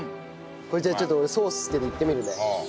これじゃあちょっと俺ソース付けていってみるね。